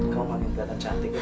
kamu makin kelihatan cantik ya